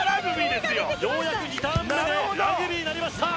ようやく２ターン目でラグビーになりました！